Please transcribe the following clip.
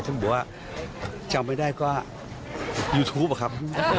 ซึ่งบอกว่าจำไม่ได้ก็ยูทูปอะครับ